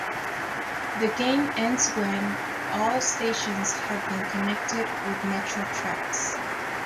The game ends when all stations have been connected with metro tracks.